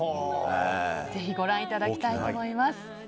ぜひご覧いただきたいと思います。